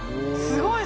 すごい！